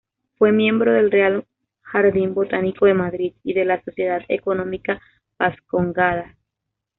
Fue miembro del Real Jardín Botánico de Madrid, y de la Sociedad Económica Vascongada.